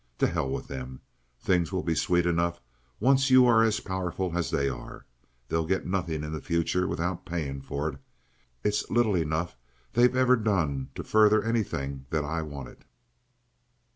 To hell with them! Things will be sweet enough, once you are as powerful as they are. They'll get nothing in the future without paying for it. It's little enough they've ever done to further anything that I wanted.